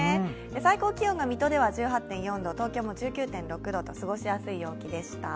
最高気温が水戸では１８．９度、東京も１９．６度と過ごしやすい陽気でした。